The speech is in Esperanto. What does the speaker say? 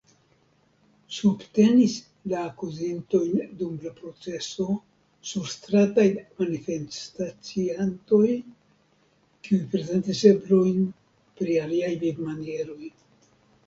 Subtenis la akuzintojn dum la proceso surstrataj manifestaciantoj, kiuj prezentis eblojn pri aliaj vivmanieroj.